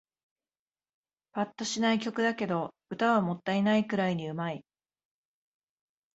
ぱっとしない曲だけど、歌はもったいないくらいに上手い